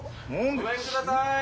・ごめんください。